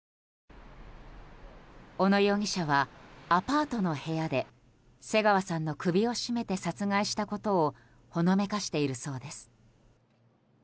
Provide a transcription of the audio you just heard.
小野容疑者はアパートの部屋で瀬川さんの首を絞めて殺害したことをほのめかしているそうです。